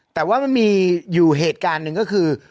แต่ว่ามันมีอยู่เหตุการณ์หนึ่งก็คือ